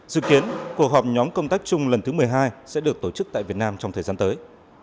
dự kiến cuộc họp nhóm công tác chung lần thứ một mươi hai sẽ được tổ chức tại việt nam trong thời gian tới